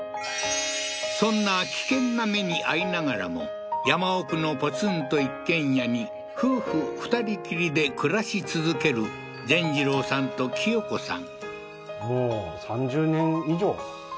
そんな危険な目に遭いながらも山奥のポツンと一軒家に夫婦２人きりで暮らし続ける善次郎さんときよ子さん